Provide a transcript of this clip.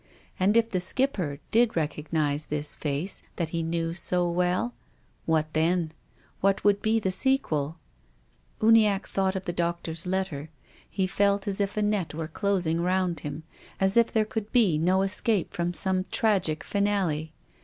And if the Skipper did recognise this face that he knew so well — what then ? What would be the sequel ? Uniacke thought of the doctor's letter. He felt as if a net were closing round him, as if there could be no escape from some tragic finale.